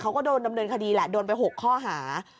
เขาก็โดนดำเนินคดีแหละโดนไป๖ข้อหา